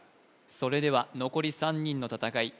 それでは残り３人の戦い